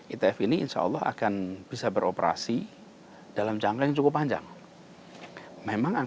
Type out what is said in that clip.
itf ini insya allah akan bisa beroperasi dalam jangka yang cukup panjang